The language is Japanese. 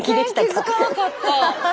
全然気付かなかった。